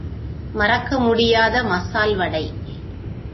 மறக்கமுடியாத மசால் வடை.